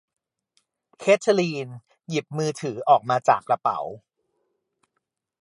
เคทลีนหยิบมือถือออกมาจากกระเป๋า